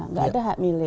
yang memiliki hak milik